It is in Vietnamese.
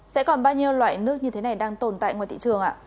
sẽ còn bao nhiêu loại nước như thế này đang tồn tại ngoài thị trường ạ